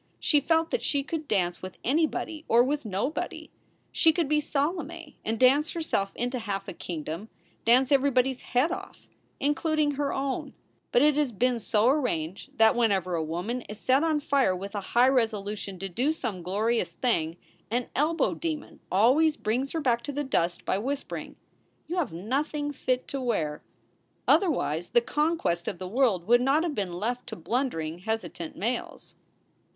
She felt that she could dance with anybody or with nobody. She could be Salome and dance herself into half a kingdom, dance everybody s head off, including her own, But it has been so arranged that whenever a woman is set on fire with a high resolution to do some glorious thing, an elbow demon always brings her back to the dust by whispering, You have nothing fit to wear." Otherwise the conquest of the world would not have been left to blundering, hesitant males.